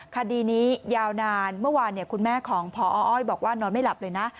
คดีนี้ยาวนานเมื่อวานคุณแม่ของพออ้อยบอกว่านอนไม่หลับเลยนะ